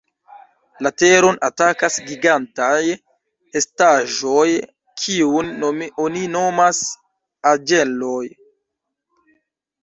La Teron atakas gigantaj estaĵoj, kiujn oni nomas "Anĝeloj".